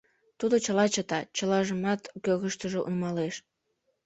Тудо чыла чыта, чылажымат кӧргыштыжӧ нумалеш.